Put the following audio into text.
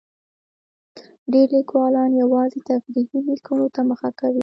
ډېری لیکوالان یوازې تفریحي لیکنو ته مخه کوي.